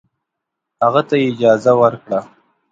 هغه ته یې اجازه ورکړه.